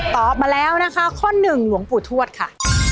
ตอบมาแล้วนะคะข้อหนึ่งหลวงปู่ทวดค่ะ